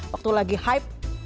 waktu lagi hype